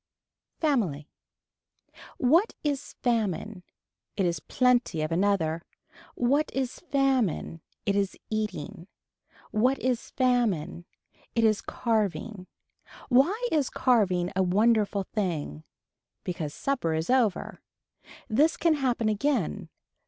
Family. What is famine. It is plenty of another. What is famine. It is eating. What is famine. It is carving. Why is carving a wonderful thing. Because supper is over. This can happen again.